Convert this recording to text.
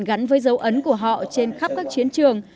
gắn với dấu ấn của họ trên khắp các chiến trường